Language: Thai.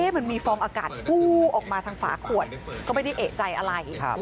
มันมีฟองอากาศฟู้ออกมาทางฝาขวดก็ไม่ได้เอกใจอะไร